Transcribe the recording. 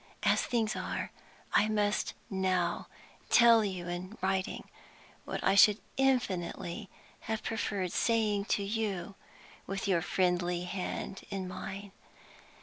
As things are, I must now tell you in writing what I should infinitely have preferred saying to you with your friendly hand in mine.